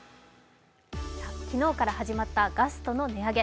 昨日から始まったガストの値上げ。